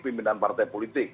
pimpinan partai politik